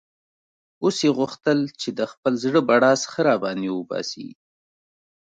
اوس یې غوښتل چې د خپل زړه بړاس ښه را باندې وباسي.